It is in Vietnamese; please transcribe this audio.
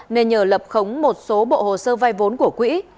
nên nhờ lập khống một số bộ hồ sơ vay vốn của quỹ